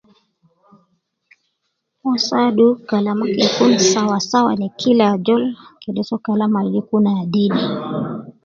Uwo saadu kalama kee kun sawa sawa ne kila ajol kede soo kalama al gikun adil